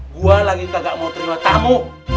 gue lagi kagak mau terima tamu